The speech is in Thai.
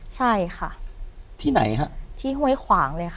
ใช่ค่ะ